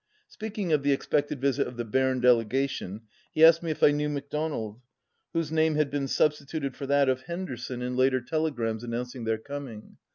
Speaking of the expected visit of the Berne dele gation, he asked me if I knew MacDonald, whose name had been substituted for that of Henderson 227 in later telegrams announcing their coming.